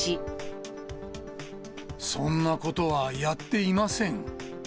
そんなことはやっていません。